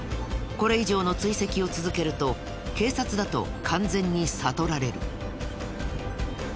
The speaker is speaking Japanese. これ以上の追跡を続けると警察だと完全に悟られる。